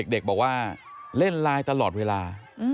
เด็กบอกว่าเล่นไลน์ตลอดเวลา